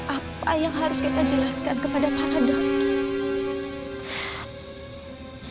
apa yang harus kita jelaskan kepada para dokter